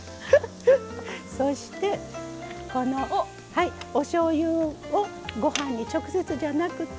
そしてこのおしょうゆをご飯に直接じゃなくて鍋肌にね。